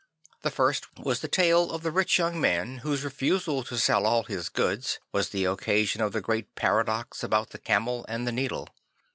The first was the tale of the rich young man \vhose refusal to sell all his goods was the occasion of the great paradox about the camel and the needle.